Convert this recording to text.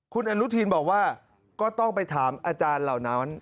คุณอนุทินบอกว่าก็ต้องไปถามอาจารย์เหล่านั้น